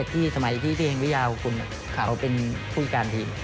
ที่พี่แห่งวิทยาคุณเขาเป็นผู้การทีม